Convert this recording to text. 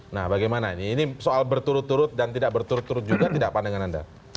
nah bagaimana ini ini soal berturut turut dan tidak berturut turut juga tidak pandangan anda